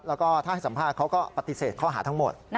แล้วก็ถ้าให้สัมภาษณ์เขาก็ปฏิเสธข้อหาทั้งหมด